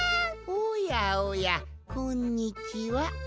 おやおやこんにちは。